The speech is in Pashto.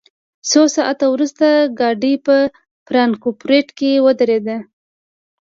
څو ساعته وروسته ګاډی په فرانکفورټ کې ودرېد